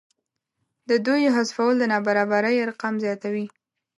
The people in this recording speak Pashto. د دوی حذفول د نابرابرۍ ارقام زیاتوي